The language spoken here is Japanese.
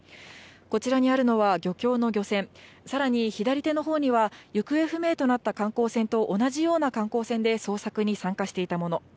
こちらにあるのは、漁協の漁船、さらに左手のほうには、行方不明となった観光船と同じような観光船で捜索に参加していたもの。